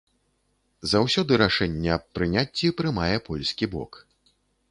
Заўсёды рашэнне аб прыняцці прымае польскі бок.